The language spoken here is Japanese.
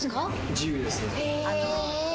自由です。